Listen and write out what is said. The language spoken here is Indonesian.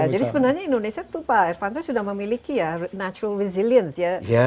jadi sebenarnya indonesia itu pak irvan sudah memiliki ya natural resilience